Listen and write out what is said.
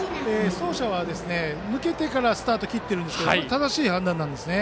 走者は抜けてからスタートを切っていますがこれは正しい判断ですね。